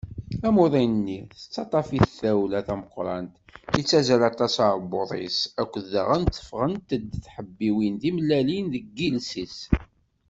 Amuḍin-nni, tettaṭṭaf-it tawla tameqqrant, yettazzal aṭas uɛebbuḍ-is akked daɣen tefɣent-d tḥebbiwin timellalin deg yiles-is.